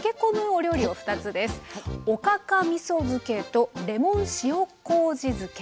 おかかみそ漬けとレモン塩こうじ漬け。